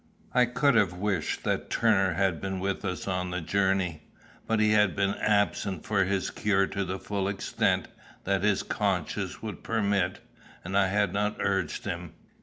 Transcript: I could have wished that Turner had been with us on the journey, but he had been absent from his cure to the full extent that his conscience would permit, and I had not urged him.